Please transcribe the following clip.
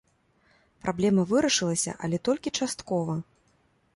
Праблема вырашылася, але толькі часткова.